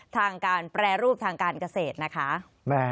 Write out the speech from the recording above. ทางการแปรรูปทางการเกษตรนะคะ